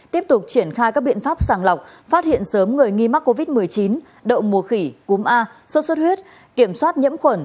tiếp tục triển khai các biện pháp sàng lọc phát hiện sớm người nghi mắc covid một mươi chín đậu mùa khỉ cúm a sốt xuất huyết kiểm soát nhiễm khuẩn